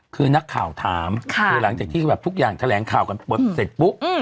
คือนักข่าวถามคือหลังจากที่แบบทุกอย่างแถลงข่าวกันเสร็จปุ๊บ